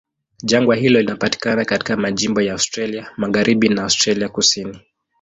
Jangwa hilo linapatikana katika majimbo ya Australia Magharibi na Australia Kusini.